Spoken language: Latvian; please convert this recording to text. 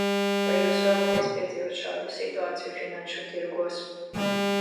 Vai jūs vēlaties piedzīvot šādu situāciju finanšu tirgos?